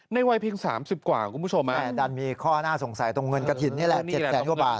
ในวัยเพียง๓๐กว่าของคุณผู้ชมครับแม่ได้มีข้อน่าสงสัยตรงเงินกระถิดนี่แหละ